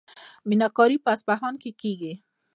میناکاري په اصفهان کې کیږي.